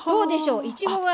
いちごが。